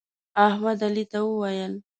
احمد علي ته وویل: